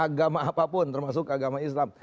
agama apapun termasuk agama islam